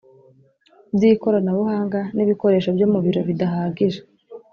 by ikoranabuhanga n ibikoresho byo mu biro bidahagije